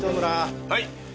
はい。